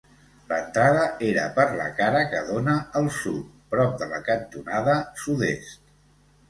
L'entrada era per la cara que dóna al sud, prop de la cantonada sud-est.